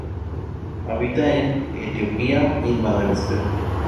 Habita en Etiopía y Madagascar.